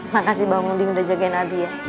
makasih bang odin udah jagain abi ya